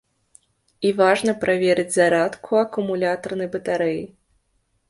І важна праверыць зарадку акумулятарнай батарэі.